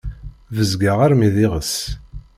Bezgeɣ armi d iɣes.